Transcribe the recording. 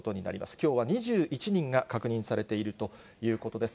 きょうは２１人が確認されているということです。